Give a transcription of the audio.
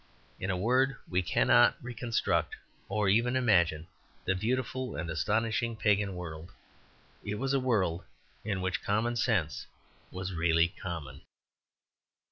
In a word, we cannot reconstruct or even imagine the beautiful and astonishing pagan world. It was a world in which common sense was really common.